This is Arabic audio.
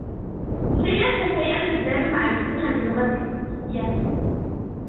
شيئاً فشيئاً تزداد معرفتنا باللغة الإنجليزية.